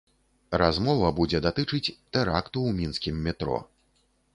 Размова будзе датычыць тэракту ў мінскім метро.